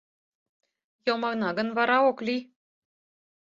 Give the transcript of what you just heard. Йомына гын, вара ок лий.